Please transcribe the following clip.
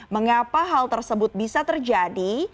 mengapa hal tersebut bisa terjadi